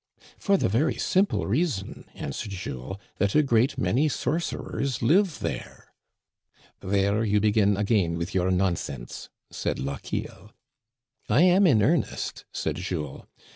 " For the very simple reason," answered Jules, that a great many sorcerers live there." *' There you begin again with your nonsense," said Lochiel. " I am in earnest," said Jules.